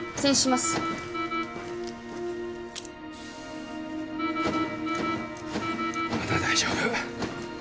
まだ大丈夫。